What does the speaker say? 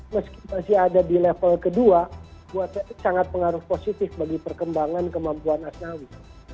meski masih ada di level kedua sangat pengaruh positif bagi perkembangan kemampuan asnawi